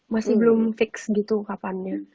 masih belum fix gitu kapannya